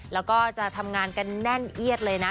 แล้วก็จะทำงานกันแน่นเอียดเลยนะ